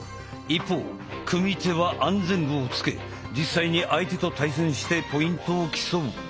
一方組手は安全具をつけ実際に相手と対戦してポイントを競う。